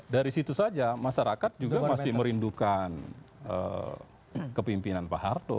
dari situ saja masyarakat juga masih merindukan kepimpinan pak harto